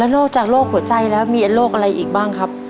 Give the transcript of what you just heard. โรคจากโรคหัวใจแล้วมีโรคอะไรอีกบ้างครับ